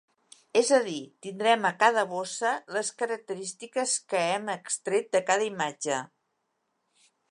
És a dir, tindrem a cada bossa les característiques que hem extret de cada imatge.